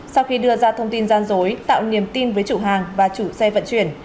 sau khi đưa ra thông tin gian dối tạo niềm tin với chủ hàng và chủ xe vận chuyển